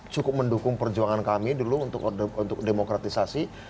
cukup mendukung perjuangan kami dulu untuk demokratisasi